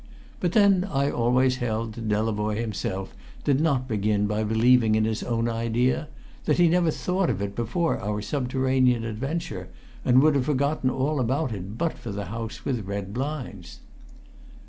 But then I always held that Delavoye himself did not begin by believing in his own idea, that he never thought of it before our subterranean adventure, and would have forgotten all about it but for the house with red blinds.